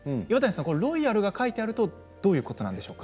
ロイヤルが書いてあるとどういうことなんでしょうか？